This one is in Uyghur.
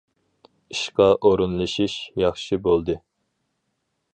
ئىشقا ئورۇنلىشىش ياخشى بولدى.